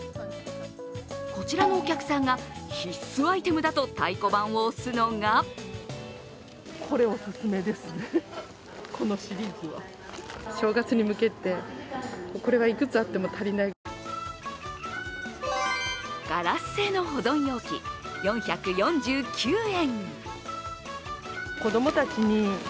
こちらのお客さんが必須アイテムだと太鼓判を押すのがガラス製の保存容器、４４９円。